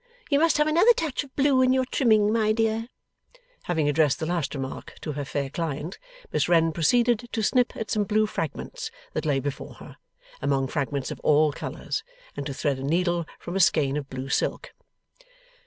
You must have another touch of blue in your trimming, my dear.' Having addressed the last remark to her fair client, Miss Wren proceeded to snip at some blue fragments that lay before her, among fragments of all colours, and to thread a needle from a skein of blue silk.